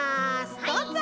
どうぞ！